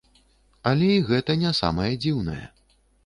Але і гэта не самае дзіўнае.